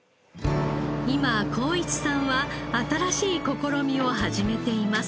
今晃一さんは新しい試みを始めています。